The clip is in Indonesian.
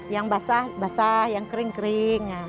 yang basah basah yang kering kering